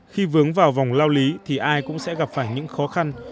khi vướng vào vòng lao lý thì ai cũng sẽ gặp phải những khó khăn